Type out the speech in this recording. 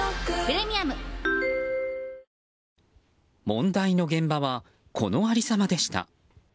問題の現場はこの有り様でした。